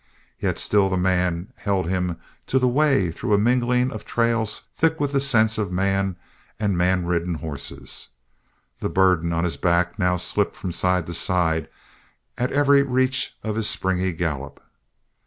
Yet still the man held him to the way through a mingling of trails thick with the scents of man, of man ridden horses. The burden on his back now slipped from side to side at every reach of his springy gallop.